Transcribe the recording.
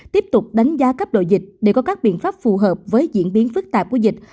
tiếp tục đánh giá cấp độ dịch để có các biện pháp phù hợp với diễn biến phức tạp của dịch